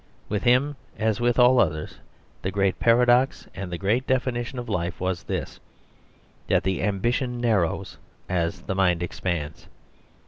With him, as with all others, the great paradox and the great definition of life was this, that the ambition narrows as the mind expands.